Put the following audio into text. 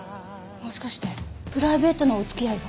もしかしてプライベートなお付き合いが。